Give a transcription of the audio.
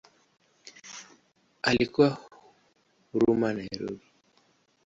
Alikulia Huruma Nairobi.